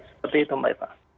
seperti itu mbak eva